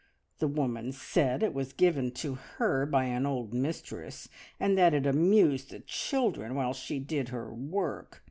The woman said it was given to her by an old mistress, and that it amused the children while she did her work.